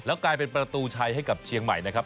กลายเป็นประตูชัยให้กับเชียงใหม่นะครับ